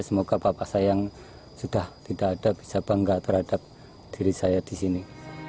semoga bapak saya yang sudah tidak ada bisa bangga terhadap diri saya di sini